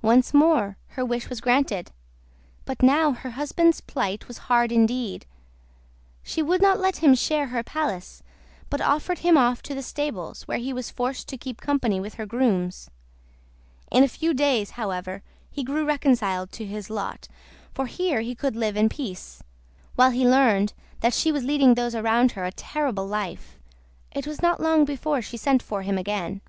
Once more her wish was granted, but now her husband's plight was hard indeed. She would not let him share her palace, but ordered him off to the stables, where he was forced to keep company with her grooms. In a few days, however, he grew reconciled to his lot, for here he could live in peace, while he learned that she was leading those around her a terrible life, it was not long before she sent for him again.